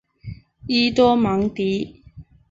伊多芒迪。